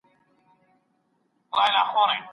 څېړونکی باید د خپل کلتور ریښې وڅېړي.